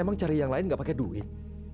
emang cari yang lain gak pakai duit